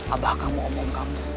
abah kamu om om kamu